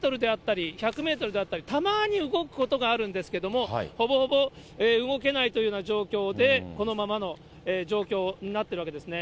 ５０メートルであったり、１００メートルであったり、たまに動くことがあるんですけれども、ほぼほぼ動けないというような状況で、このままの状況になってるわけですね。